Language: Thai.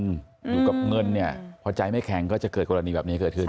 อยู่กับเงินเนี่ยพอใจไม่แข็งก็จะเกิดกรณีแบบนี้เกิดขึ้น